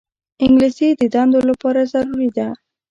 انګلیسي د دندو لپاره ضروري ده